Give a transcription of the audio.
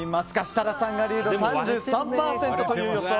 設楽さんがリード３３％という予想。